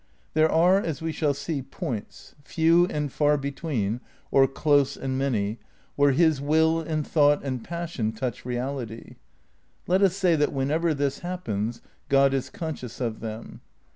There are, as we shall see, points — few and far between, or close and many — where his will and thought and pas sion touch reality. Let us say that whenever this hap pens God is conscious of them.